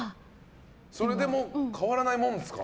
それでも変わらないものですか？